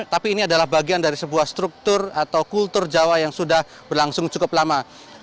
tapi ini adalah bagian dari sebuah struktur atau kultur jawa yang sudah berlangsung cukup lama